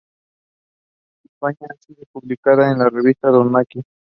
En España han sido publicadas en la revista Don Miki.